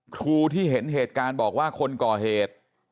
ครูที่เห็นเหตุการณ์บอกว่าคนก่อเหตุ